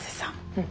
うん。